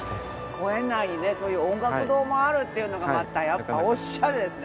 公園内にねそういう音楽堂もあるっていうのがまたやっぱりオシャレですね。